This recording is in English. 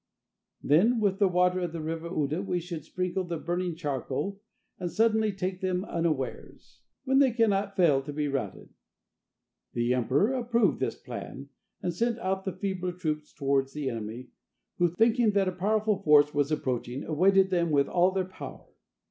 "Then with the water of the River Uda we should sprinkle the burning charcoal, and suddenly take them unawares; when they cannot fail to be routed." The emperor approved this plan, and sent out the feebler troops toward the enemy, who, thinking that a powerful force was approaching, awaited them with all their power.